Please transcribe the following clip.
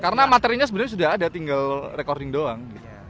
karena materinya sebenernya sudah ada tinggal recording doang